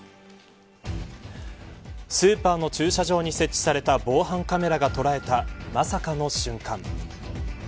スーパーの駐車場に設置された防犯カメラが捉えたまさかの瞬間。